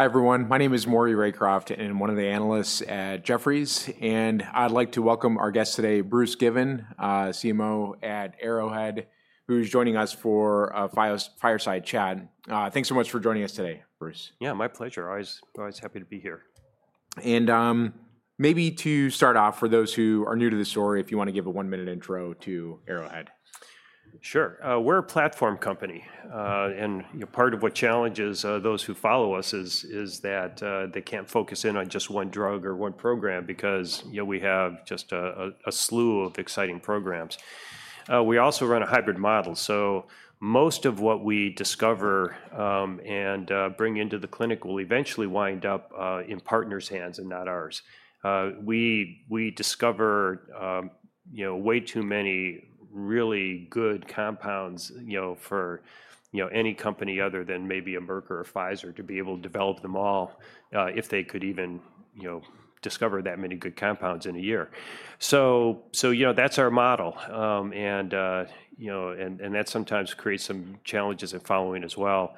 Hi, everyone. My name is Maury Raycroft, and I'm one of the analysts at Jefferies. I'd like to welcome our guest today, Bruce Given, CMO at Arrowhead, who's joining us for a fireside chat. Thanks so much for joining us today, Bruce. Yeah, my pleasure. Always happy to be here. Maybe to start off, for those who are new to the story, if you want to give a one-minute intro to Arrowhead. Sure. We're a platform company. Part of what challenges those who follow us is that they can't focus in on just one drug or one program because we have just a slew of exciting programs. We also run a hybrid model. Most of what we discover and bring into the clinic will eventually wind up in partners' hands and not ours. We discover way too many really good compounds for any company other than maybe a Merck or a Pfizer to be able to develop them all if they could even discover that many good compounds in a year. That's our model. That sometimes creates some challenges in following as well.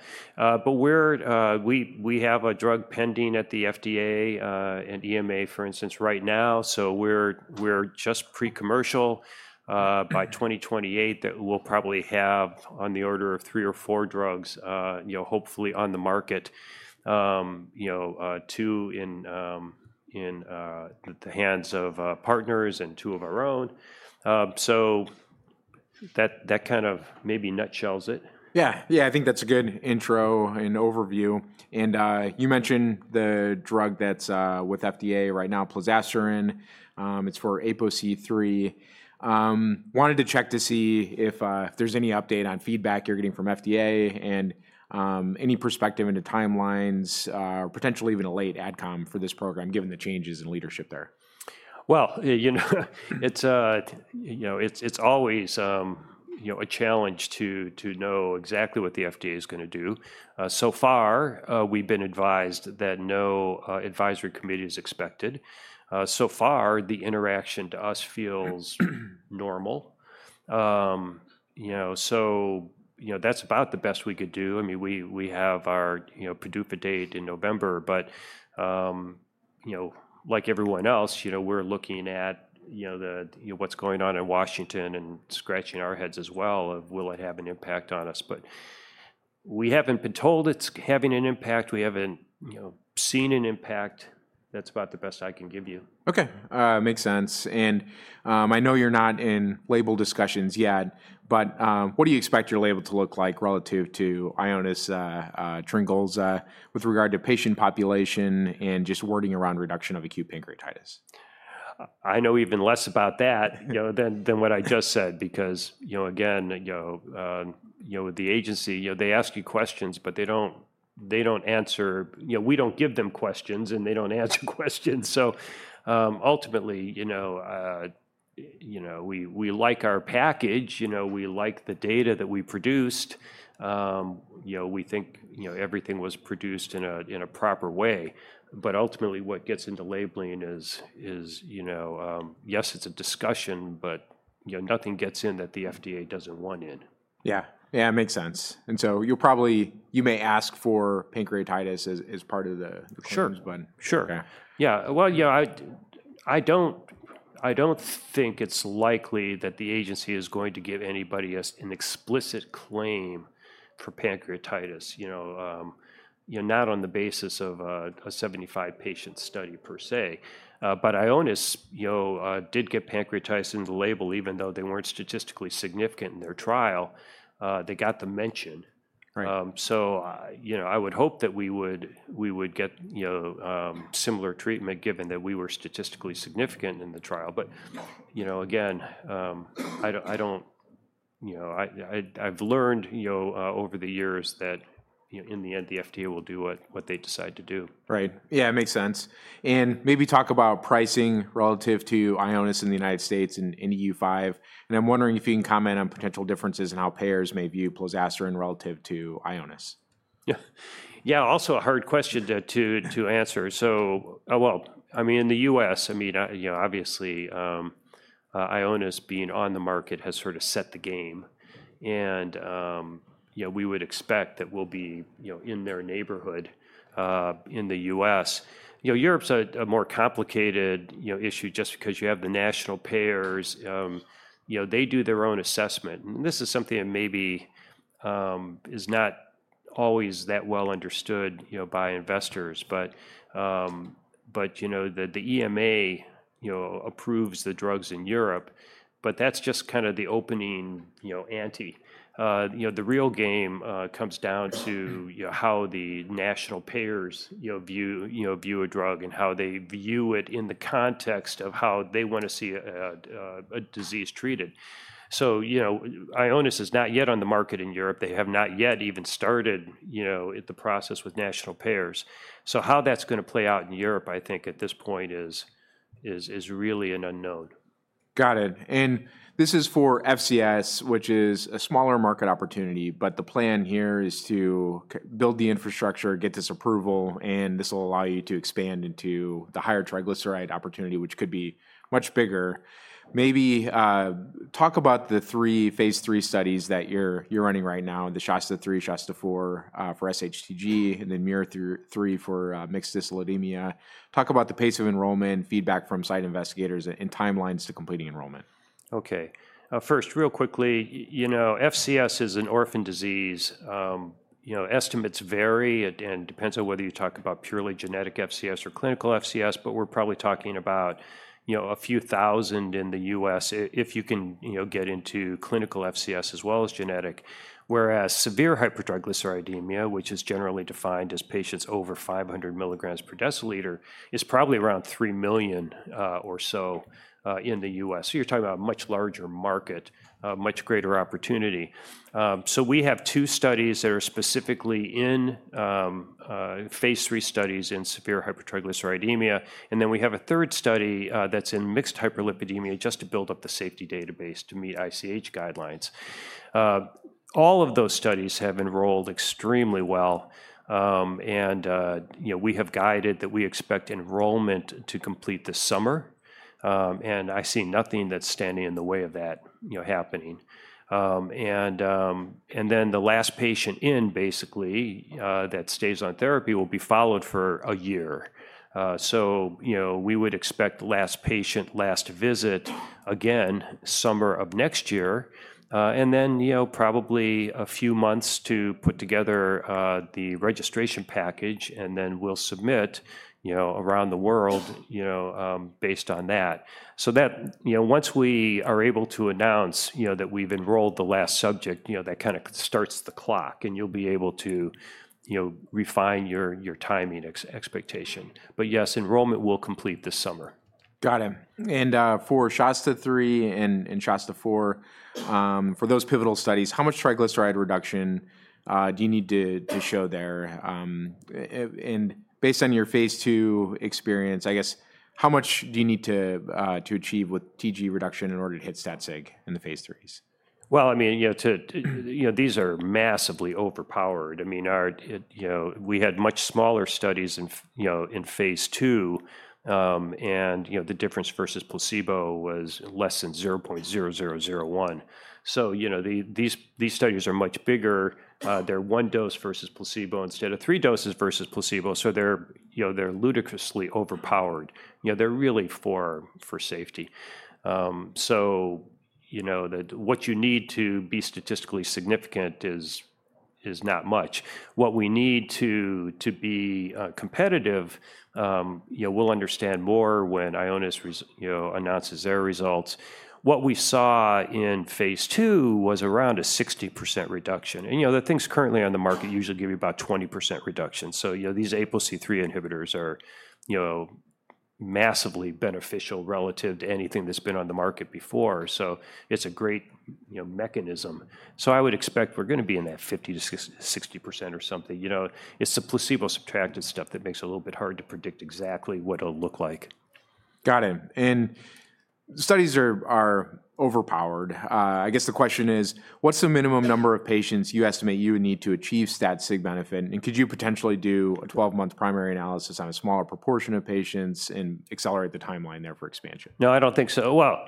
We have a drug pending at the FDA and EMA, for instance, right now. We're just pre-commercial. By 2028, we'll probably have on the order of three or four drugs, hopefully on the market, two in the hands of partners and two of our own. That kind of maybe nutshells it. Yeah, yeah, I think that's a good intro and overview. You mentioned the drug that's with FDA right now, plozasiran. It's for APOC3. Wanted to check to see if there's any update on feedback you're getting from FDA and any perspective into timelines, potentially even a late AdCom for this program, given the changes in leadership there. It's always a challenge to know exactly what the FDA is going to do. So far, we've been advised that no advisory committee is expected. So far, the interaction to us feels normal. That's about the best we could do. I mean, we have our PDUFA date in November. Like everyone else, we're looking at what's going on in Washington and scratching our heads as well of, will it have an impact on us? We haven't been told it's having an impact. We haven't seen an impact. That's about the best I can give you. Okay, makes sense. I know you're not in label discussions yet. What do you expect your label to look like relative to Ionis Tryngolza with regard to patient population and just wording around reduction of acute pancreatitis? I know even less about that than what I just said because, again, with the agency, they ask you questions, but they do not answer. We do not give them questions, and they do not answer questions. Ultimately, we like our package. We like the data that we produced. We think everything was produced in a proper way. Ultimately, what gets into labeling is, yes, it is a discussion, but nothing gets in that the FDA does not want in. Yeah, yeah, it makes sense. You may ask for pancreatitis as part of the clearance button. Sure, sure. Yeah, I don't think it's likely that the agency is going to give anybody an explicit claim for pancreatitis, not on the basis of a 75-patient study per se. But Ionis did get pancreatitis in the label, even though they weren't statistically significant in their trial. They got the mention. I would hope that we would get similar treatment given that we were statistically significant in the trial. Again, I've learned over the years that in the end, the FDA will do what they decide to do. Right, yeah, it makes sense. Maybe talk about pricing relative to Ionis in the United States and EU5. I'm wondering if you can comment on potential differences in how payers may view plozasiran relative to Ionis. Yeah, yeah, also a hard question to answer. I mean, in the U.S., I mean, obviously, Ionis being on the market has sort of set the game. We would expect that we'll be in their neighborhood in the U.S. Europe's a more complicated issue just because you have the national payers. They do their own assessment. This is something that maybe is not always that well understood by investors. The EMA approves the drugs in Europe. That's just kind of the opening ante. The real game comes down to how the national payers view a drug and how they view it in the context of how they want to see a disease treated. Ionis is not yet on the market in Europe. They have not yet even started the process with national payers. How that's going to play out in Europe, I think, at this point is really an unknown. Got it. This is for FCS, which is a smaller market opportunity. The plan here is to build the infrastructure, get this approval, and this will allow you to expand into the higher triglyceride opportunity, which could be much bigger. Maybe talk about the three phase III studies that you're running right now, the SHASTA-3, SHASTA-4 for SHTG, and then MUIR-3 for mixed dyslipidemia. Talk about the pace of enrollment, feedback from site investigators, and timelines to completing enrollment. OK, first, real quickly, FCS is an orphan disease. Estimates vary and depend on whether you talk about purely genetic FCS or clinical FCS. But we're probably talking about a few thousand in the U.S. if you can get into clinical FCS as well as genetic. Whereas severe hypertriglyceridemia, which is generally defined as patients over 500 mg per dL, is probably around 3 million or so in the U.S. You are talking about a much larger market, much greater opportunity. We have two studies that are specifically in phase III studies in severe hypertriglyceridemia. Then we have a third study that's in mixed hyperlipidemia just to build up the safety database to meet ICH guidelines. All of those studies have enrolled extremely well. We have guided that we expect enrollment to complete this summer. I see nothing that's standing in the way of that happening. The last patient in, basically, that stays on therapy will be followed for a year. We would expect last patient, last visit, again, summer of next year. It will probably take a few months to put together the registration package. We will submit around the world based on that. Once we are able to announce that we have enrolled the last subject, that kind of starts the clock. You will be able to refine your timing expectation. Yes, enrollment will complete this summer. Got it. For SHASTA-3 and SHASTA-4, for those pivotal studies, how much triglyceride reduction do you need to show there? Based on your phase II experience, I guess, how much do you need to achieve with TG reduction in order to hit stat-sig in the phase IIIs? I mean, these are massively overpowered. I mean, we had much smaller studies in phase II. And the difference versus placebo was less than 0.0001. These studies are much bigger. They're one dose versus placebo instead of three doses versus placebo. They're ludicrously overpowered. They're really for safety. What you need to be statistically significant is not much. What we need to be competitive, we'll understand more when Ionis announces their results. What we saw in phase II was around a 60% reduction. The things currently on the market usually give you about 20% reduction. These APOC3 inhibitors are massively beneficial relative to anything that's been on the market before. It's a great mechanism. I would expect we're going to be in that 50%-60% or something. It's the placebo-subtracted stuff that makes it a little bit hard to predict exactly what it'll look like. Got it. Studies are overpowered. I guess the question is, what's the minimum number of patients you estimate you would need to achieve stat-sig benefit? Could you potentially do a 12-month primary analysis on a smaller proportion of patients and accelerate the timeline there for expansion? No, I don't think so. I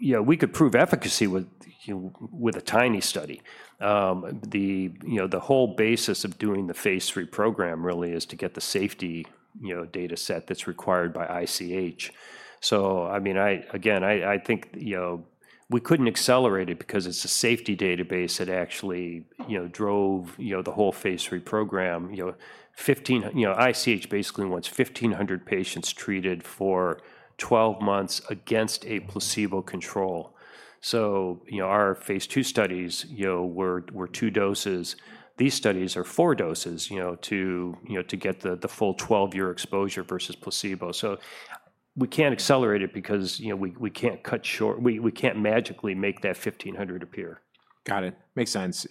mean, we could prove efficacy with a tiny study. The whole basis of doing the phase III program really is to get the safety data set that's required by ICH. I mean, again, I think we couldn't accelerate it because it's a safety database that actually drove the whole phase III program. ICH basically wants 1,500 patients treated for 12 months against a placebo control. Our phase II studies were two doses. These studies are four doses to get the full 12-month exposure versus placebo. We can't accelerate it because we can't magically make that 1,500 appear. Got it. Makes sense.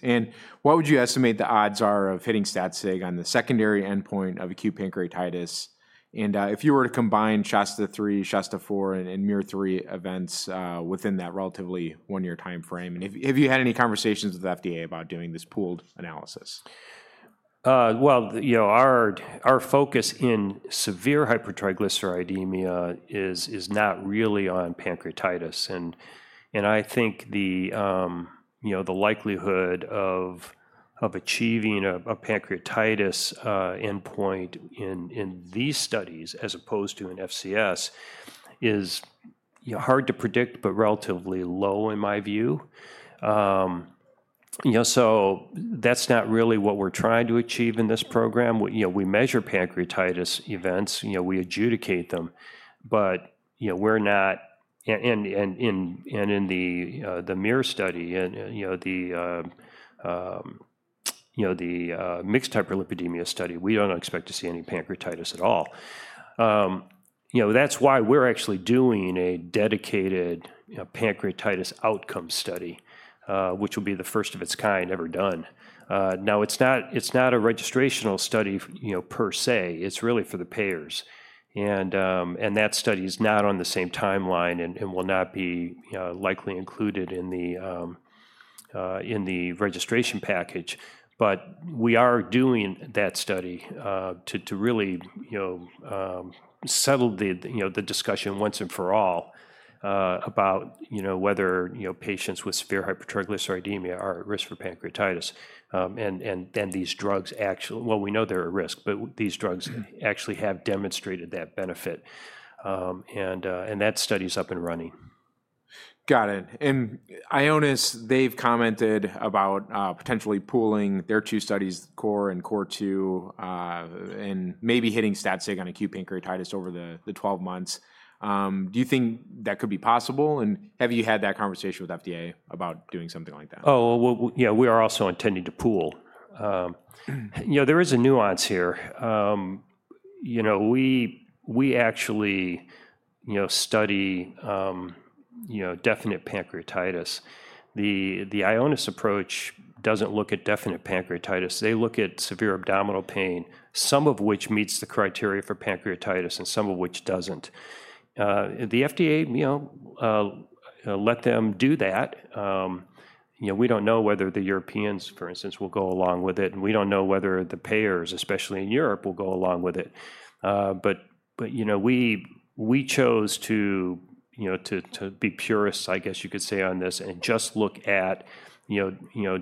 What would you estimate the odds are of hitting stat-sig on the secondary endpoint of acute pancreatitis? If you were to combine SHASTA-3, SHASTA-4, and MUIR3 events within that relatively one-year time frame, have you had any conversations with the FDA about doing this pooled analysis? Our focus in severe hypertriglyceridemia is not really on pancreatitis. I think the likelihood of achieving a pancreatitis endpoint in these studies as opposed to an FCS is hard to predict, but relatively low in my view. That is not really what we are trying to achieve in this program. We measure pancreatitis events. We adjudicate them. In the MUIR study, the mixed hyperlipidemia study, we do not expect to see any pancreatitis at all. That is why we are actually doing a dedicated pancreatitis outcome study, which will be the first of its kind ever done. It is not a registrational study per se. It is really for the payers. That study is not on the same timeline and will not be likely included in the registration package. We are doing that study to really settle the discussion once and for all about whether patients with severe hypertriglyceridemia are at risk for pancreatitis. These drugs actually, well, we know they're at risk, but these drugs actually have demonstrated that benefit. That study is up and running. Got it. Ionis, they've commented about potentially pooling their two studies, CORE and CORE2, and maybe hitting stat-sig on acute pancreatitis over the 12 months. Do you think that could be possible? Have you had that conversation with the FDA about doing something like that? Oh, yeah, we are also intending to pool. There is a nuance here. We actually study definite pancreatitis. The Ionis approach doesn't look at definite pancreatitis. They look at severe abdominal pain, some of which meets the criteria for pancreatitis and some of which doesn't. The FDA let them do that. We don't know whether the Europeans, for instance, will go along with it. We don't know whether the payers, especially in Europe, will go along with it. We chose to be purist, I guess you could say, on this and just look at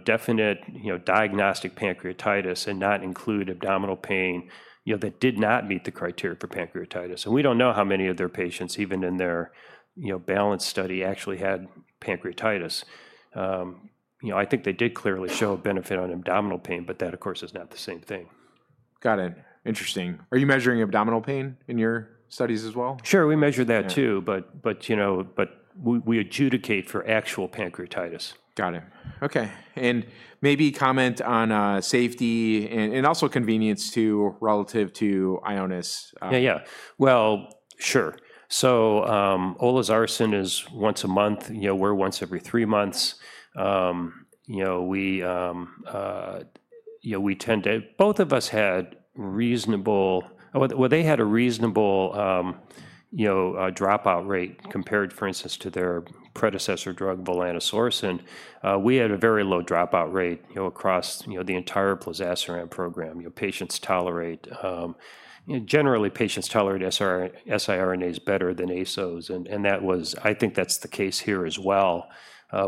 definite diagnostic pancreatitis and not include abdominal pain that did not meet the criteria for pancreatitis. We don't know how many of their patients, even in their Balance study, actually had pancreatitis. I think they did clearly show a benefit on abdominal pain, but that, of course, is not the same thing. Got it. Interesting. Are you measuring abdominal pain in your studies as well? Sure, we measure that too. We adjudicate for actual pancreatitis. Got it. Okay. Maybe comment on safety and also convenience relative to Ionis. Yeah, yeah. Sure. So olezarsen is once a month. We're once every three months. We tend to, both of us had reasonable, well, they had a reasonable dropout rate compared, for instance, to their predecessor drug, volanesorsen. We had a very low dropout rate across the entire lozasiran program. Generally, patients tolerate siRNAs better than ASOs. I think that's the case here as well.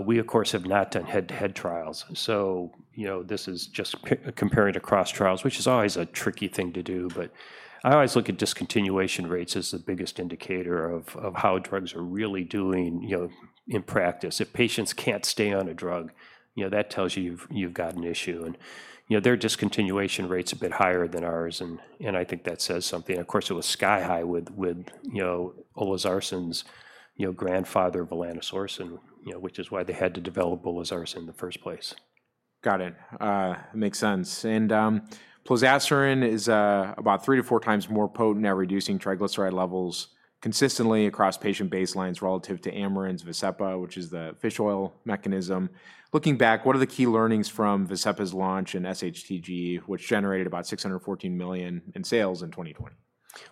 We, of course, have not done head-to-head trials. This is just comparing to cross trials, which is always a tricky thing to do. I always look at discontinuation rates as the biggest indicator of how drugs are really doing in practice. If patients can't stay on a drug, that tells you you've got an issue. Their discontinuation rate's a bit higher than ours. I think that says something. Of course, it was sky high with olezarsen's grandfather, volanesorsen, which is why they had to develop olezarsen in the first place. Got it. Makes sense. Plazasiran is about 3x- 4x more potent at reducing triglyceride levels consistently across patient baselines relative to Amarin's VASCEPA, which is the fish oil mechanism. Looking back, what are the key learnings from VASCEPA's launch in SHTG, which generated about $614 million in sales in 2020?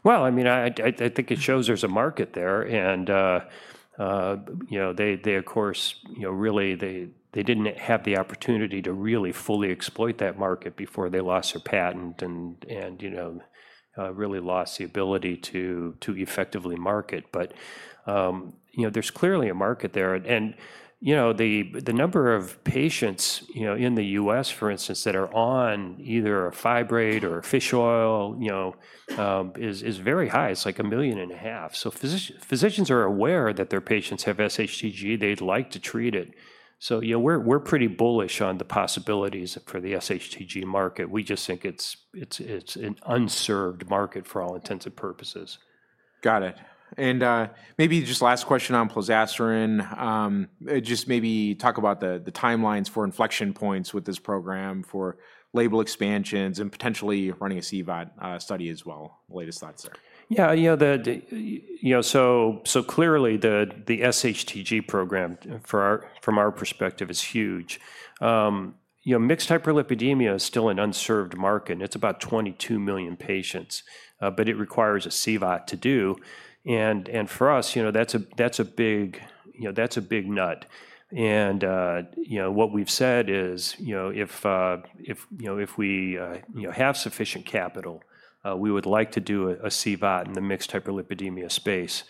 I mean, I think it shows there's a market there. They, of course, really, they didn't have the opportunity to really fully exploit that market before they lost their patent and really lost the ability to effectively market. There's clearly a market there. The number of patients in the U.S., for instance, that are on either a fibrate or a fish oil is very high. It's like 1.5 million. Physicians are aware that their patients have SHTG. They'd like to treat it. We're pretty bullish on the possibilities for the SHTG market. We just think it's an unserved market for all intents and purposes. Got it. Maybe just last question on plozasiran. Just maybe talk about the timelines for inflection points with this program for label expansions and potentially running a CVOT study as well. Latest thoughts there. Yeah. So clearly, the SHTG program, from our perspective, is huge. Mixed hyperlipidemia is still an unserved market. It's about 22 million patients. It requires a CVOT to do. For us, that's a big nut. What we've said is if we have sufficient capital, we would like to do a CVOT in the mixed hyperlipidemia space.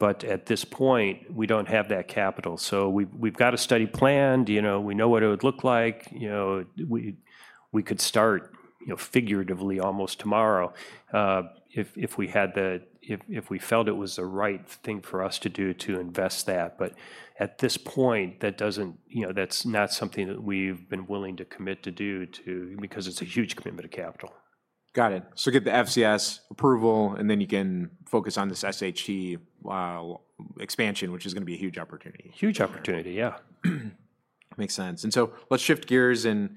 At this point, we don't have that capital. We've got a study planned. We know what it would look like. We could start figuratively almost tomorrow if we felt it was the right thing for us to do to invest that. At this point, that's not something that we've been willing to commit to do because it's a huge commitment of capital. Got it. So get the FCS approval, and then you can focus on this SHTG expansion, which is going to be a huge opportunity. Huge opportunity, yeah. Makes sense. Let's shift gears and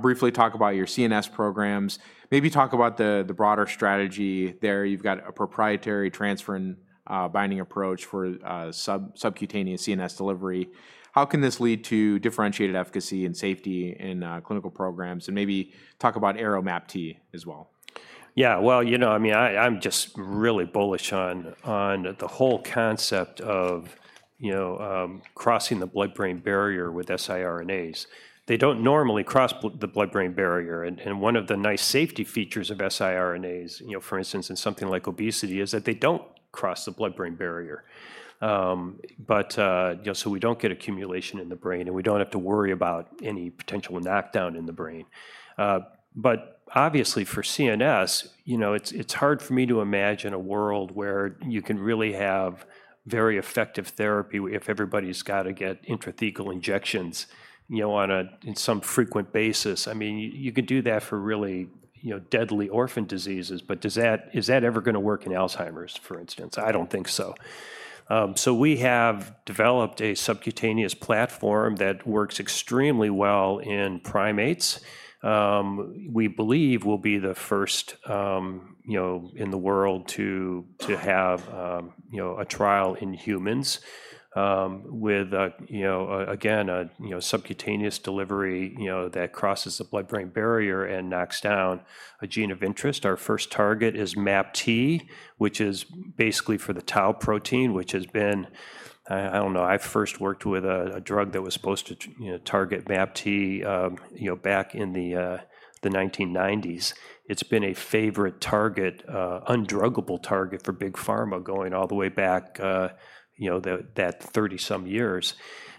briefly talk about your CNS programs. Maybe talk about the broader strategy there. You've got a proprietary transferring binding approach for subcutaneous CNS delivery. How can this lead to differentiated efficacy and safety in clinical programs? Maybe talk about ARO MAPT as well. Yeah. You know, I mean, I'm just really bullish on the whole concept of crossing the blood-brain barrier with siRNAs. They don't normally cross the blood-brain barrier. One of the nice safety features of siRNAs, for instance, in something like obesity, is that they don't cross the blood-brain barrier. We don't get accumulation in the brain. We don't have to worry about any potential knockdown in the brain. Obviously, for CNS, it's hard for me to imagine a world where you can really have very effective therapy if everybody's got to get intrathecal injections on a some frequent basis. I mean, you could do that for really deadly orphan diseases. Is that ever going to work in Alzheimer's, for instance? I don't think so. We have developed a subcutaneous platform that works extremely well in primates. We believe we'll be the first in the world to have a trial in humans with, again, a subcutaneous delivery that crosses the blood-brain barrier and knocks down a gene of interest. Our first target is MAPT, which is basically for the tau protein, which has been, I don't know, I first worked with a drug that was supposed to target MAPT back in the 1990s. It's been a favorite target, undruggable target for big pharma going all the way back that 30-some years.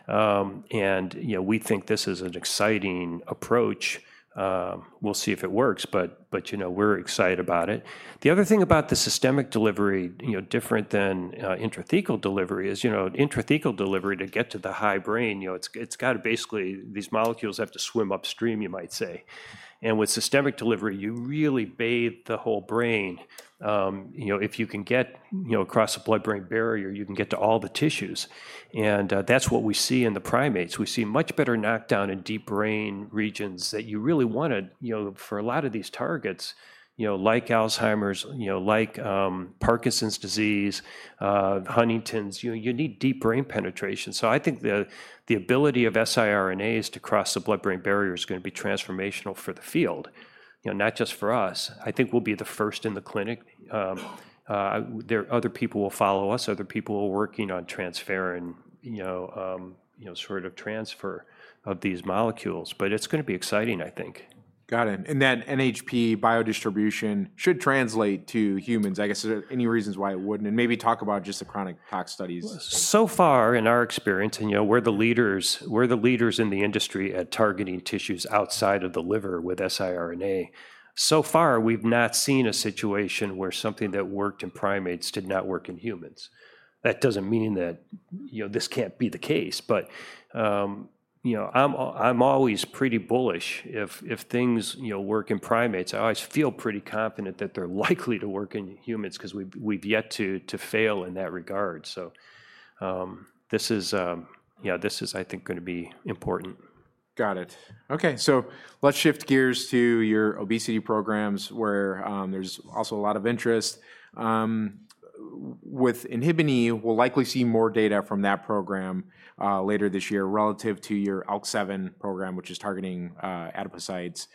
We think this is an exciting approach. We'll see if it works. We're excited about it. The other thing about the systemic delivery, different than intrathecal delivery, is intrathecal delivery to get to the high brain, it's got to basically, these molecules have to swim upstream, you might say. With systemic delivery, you really bathe the whole brain. If you can get across the blood-brain barrier, you can get to all the tissues. That is what we see in the primates. We see much better knockdown in deep brain regions that you really want to, for a lot of these targets, like Alzheimer's, like Parkinson's disease, Huntington's, you need deep brain penetration. I think the ability of siRNAs to cross the blood-brain barrier is going to be transformational for the field, not just for us. I think we'll be the first in the clinic. Other people will follow us. Other people will work on transfer, sort of transfer of these molecules. It is going to be exciting, I think. Got it. That NHP biodistribution should translate to humans. I guess, are there any reasons why it would not? Maybe talk about just the chronic PAC studies. So far, in our experience, and we're the leaders in the industry at targeting tissues outside of the liver with siRNA. So far, we've not seen a situation where something that worked in primates did not work in humans. That doesn't mean that this can't be the case. I'm always pretty bullish. If things work in primates, I always feel pretty confident that they're likely to work in humans because we've yet to fail in that regard. This is, I think, going to be important. Got it. OK. Let's shift gears to your obesity programs, where there's also a lot of interest. With INHBE, we'll likely see more data from that program later this year relative to your ALK7 program, which is targeting adipocytes.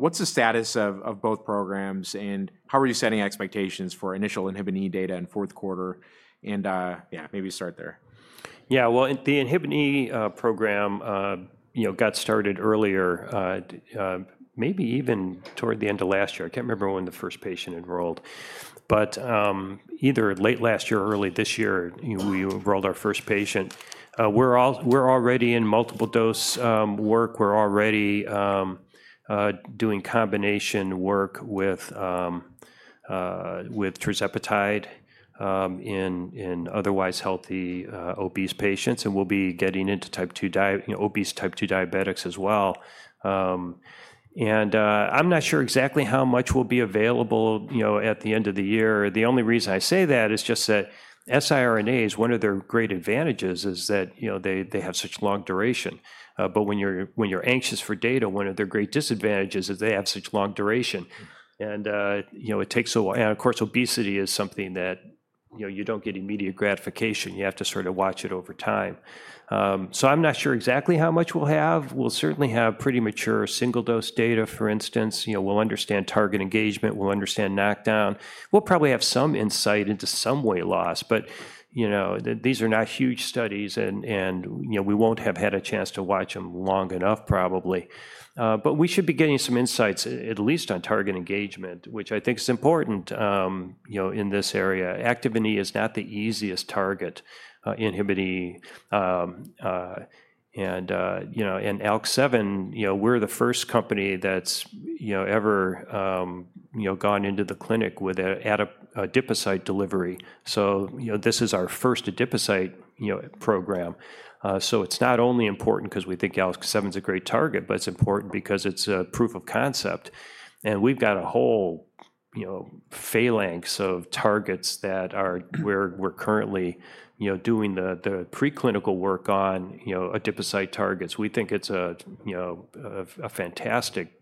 What's the status of both programs? How are you setting expectations for initial INHBE data in fourth quarter? Yeah, maybe start there. Yeah. The INHBE program got started earlier, maybe even toward the end of last year. I can't remember when the first patient enrolled. Either late last year or early this year, we enrolled our first patient. We're already in multiple dose work. We're already doing combination work with tirzepatide in otherwise healthy obese patients. We'll be getting into obese type 2 diabetics as well. I'm not sure exactly how much will be available at the end of the year. The only reason I say that is just that siRNAs, one of their great advantages is that they have such long duration. When you're anxious for data, one of their great disadvantages is they have such long duration. It takes a while. Of course, obesity is something that you don't get immediate gratification. You have to sort of watch it over time. I'm not sure exactly how much we'll have. We'll certainly have pretty mature single-dose data, for instance. We'll understand target engagement. We'll understand knockdown. We'll probably have some insight into some weight loss. These are not huge studies. We won't have had a chance to watch them long enough, probably. We should be getting some insights, at least on target engagement, which I think is important in this area. Activin E is not the easiest target, Inhibin E. And ALK7, we're the first company that's ever gone into the clinic with an adipocyte delivery. This is our first adipocyte program. It's not only important because we think ALK7 is a great target, but it's important because it's a proof of concept. We've got a whole phalanx of targets that we're currently doing the preclinical work on, adipocyte targets. We think it's a fantastic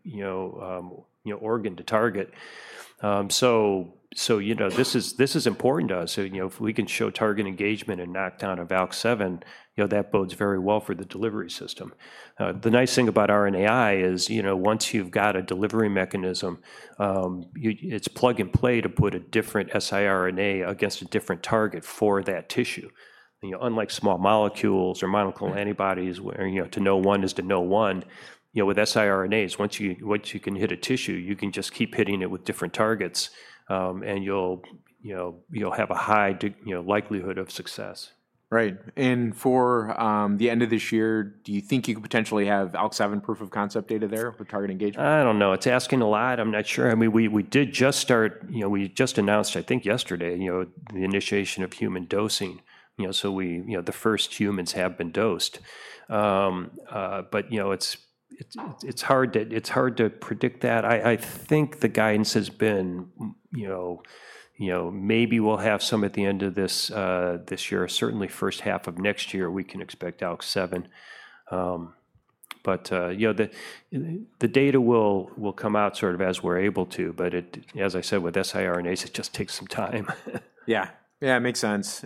organ to target. This is important to us. If we can show target engagement and knockdown of ALK7, that bodes very well for the delivery system. The nice thing about RNAi is once you've got a delivery mechanism, it's plug and play to put a different siRNA against a different target for that tissue. Unlike small molecules or monoclonal antibodies, where to know one is to know one, with siRNAs, once you can hit a tissue, you can just keep hitting it with different targets. You'll have a high likelihood of success. Right. For the end of this year, do you think you could potentially have ALK7 proof of concept data there for target engagement? I don't know. It's asking a lot. I'm not sure. I mean, we did just start, we just announced, I think, yesterday, the initiation of human dosing. So the first humans have been dosed. It's hard to predict that. I think the guidance has been maybe we'll have some at the end of this year. Certainly, first half of next year, we can expect ALK7. The data will come out sort of as we're able to. As I said, with siRNAs, it just takes some time. Yeah. Yeah, it makes sense.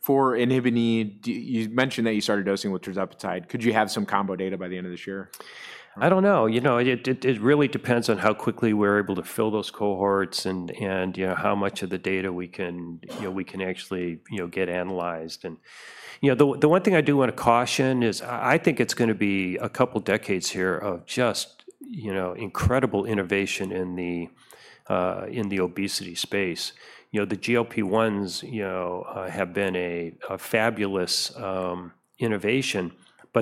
For INHBE, you mentioned that you started dosing with tirzepatide. Could you have some combo data by the end of this year? I don't know. It really depends on how quickly we're able to fill those cohorts and how much of the data we can actually get analyzed. The one thing I do want to caution is I think it's going to be a couple of decades here of just incredible innovation in the obesity space. The GLP-1s have been a fabulous innovation.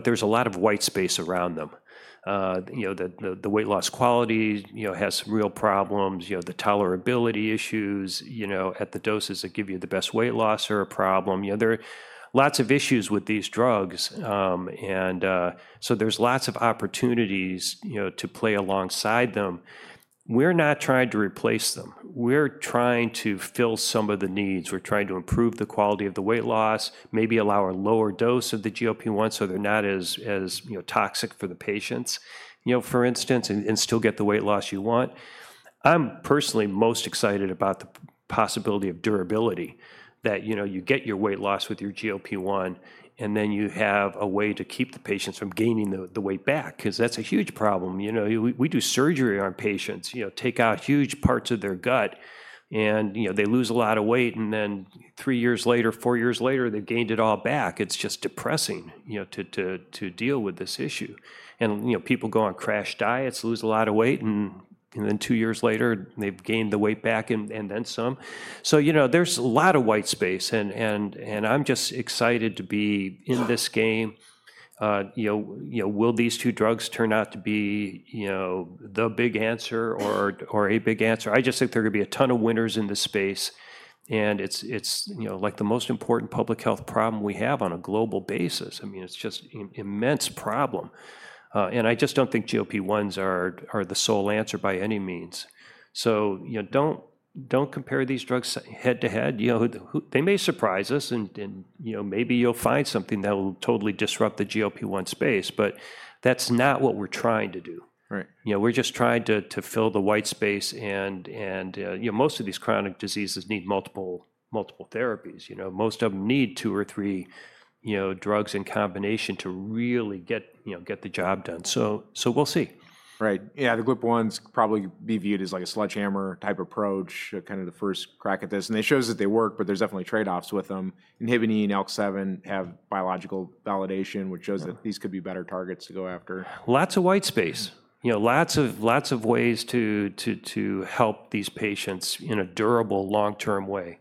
There is a lot of white space around them. The weight loss quality has real problems. The tolerability issues at the doses that give you the best weight loss are a problem. There are lots of issues with these drugs. There are lots of opportunities to play alongside them. We're not trying to replace them. We're trying to fill some of the needs. We're trying to improve the quality of the weight loss, maybe allow a lower dose of the GLP-1 so they're not as toxic for the patients, for instance, and still get the weight loss you want. I'm personally most excited about the possibility of durability, that you get your weight loss with your GLP-1, and then you have a way to keep the patients from gaining the weight back because that's a huge problem. We do surgery on patients, take out huge parts of their gut. They lose a lot of weight. Then three years later, four years later, they've gained it all back. It's just depressing to deal with this issue. People go on crash diets, lose a lot of weight. Then two years later, they've gained the weight back and then some. There is a lot of white space. I'm just excited to be in this game. Will these two drugs turn out to be the big answer or a big answer? I just think there are going to be a ton of winners in this space. It's like the most important public health problem we have on a global basis. I mean, it's just an immense problem. I just don't think GLP-1s are the sole answer by any means. Don't compare these drugs head to head. They may surprise us. Maybe you'll find something that will totally disrupt the GLP-1 space. That's not what we're trying to do. We're just trying to fill the white space. Most of these chronic diseases need multiple therapies. Most of them need two or three drugs in combination to really get the job done. We'll see. Right. Yeah, the GLP-1s probably be viewed as like a sledgehammer type approach, kind of the first crack at this. They show that they work. There are definitely trade-offs with them. INHBE and ALK7 have biological validation, which shows that these could be better targets to go after. Lots of white space, lots of ways to help these patients in a durable, long-term way.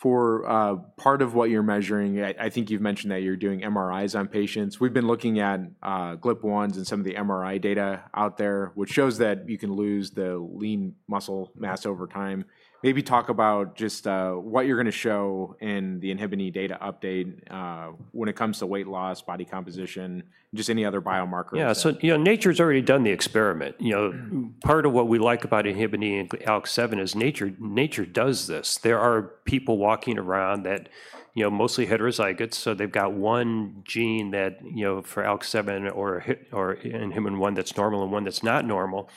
For part of what you're measuring, I think you've mentioned that you're doing MRIs on patients. We've been looking at GLP-1s and some of the MRI data out there, which shows that you can lose the lean muscle mass over time. Maybe talk about just what you're going to show in the INHBE data update when it comes to weight loss, body composition, just any other biomarkers. Yeah. Nature's already done the experiment. Part of what we like about INHBE and ALK7 is nature does this. There are people walking around that are mostly heterozygous. They have one gene for ALK7 or INHBE one that's normal and one that's not normal.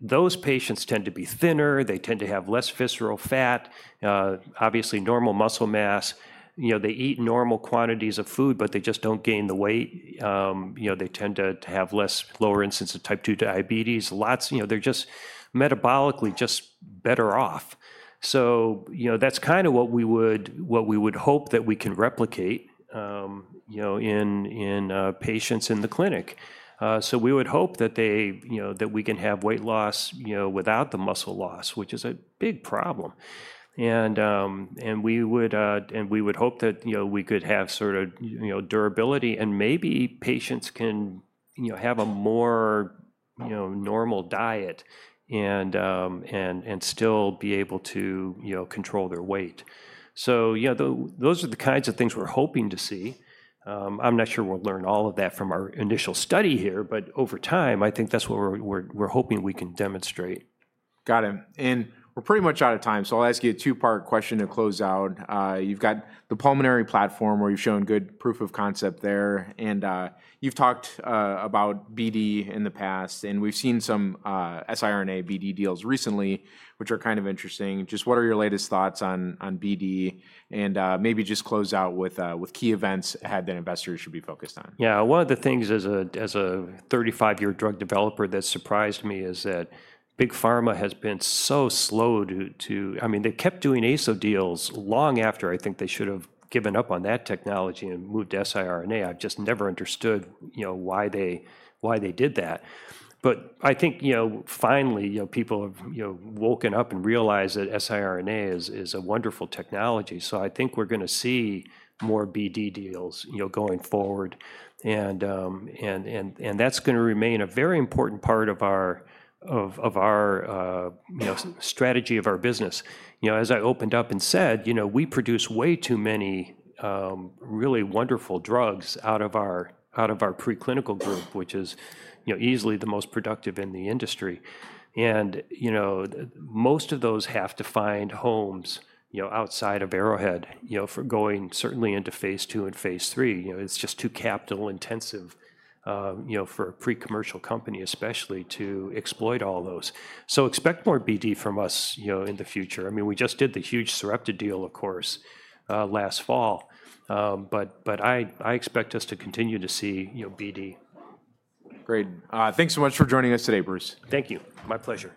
Those patients tend to be thinner. They tend to have less visceral fat, obviously normal muscle mass. They eat normal quantities of food, but they just don't gain the weight. They tend to have lower incidence of type 2 diabetes. They're just metabolically better off. That's kind of what we would hope that we can replicate in patients in the clinic. We would hope that we can have weight loss without the muscle loss, which is a big problem. We would hope that we could have sort of durability. Maybe patients can have a more normal diet and still be able to control their weight. Those are the kinds of things we're hoping to see. I'm not sure we'll learn all of that from our initial study here. Over time, I think that's what we're hoping we can demonstrate. Got it. We're pretty much out of time. I'll ask you a two-part question to close out. You've got the pulmonary platform, where you've shown good proof of concept there. You've talked about BD in the past. We've seen some siRNA BD deals recently, which are kind of interesting. What are your latest thoughts on BD? Maybe just close out with key events ahead that investors should be focused on. Yeah. One of the things as a 35-year drug developer that surprised me is that big pharma has been so slow to—I mean, they kept doing ASO deals long after I think they should have given up on that technology and moved to siRNA. I've just never understood why they did that. I think finally, people have woken up and realized that siRNA is a wonderful technology. I think we're going to see more BD deals going forward. That's going to remain a very important part of our strategy of our business. As I opened up and said, we produce way too many really wonderful drugs out of our preclinical group, which is easily the most productive in the industry. Most of those have to find homes outside of Arrowhead for going certainly into phase II and phase III. It's just too capital-intensive for a pre-commercial company, especially to exploit all those. So expect more BD from us in the future. I mean, we just did the huge Sarepta deal, of course, last fall. But I expect us to continue to see BD. Great. Thanks so much for joining us today, Bruce. Thank you. My pleasure.